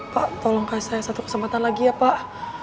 pak tolong kasih saya satu kesempatan lagi ya pak